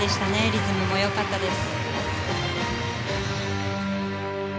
リズムもよかったです。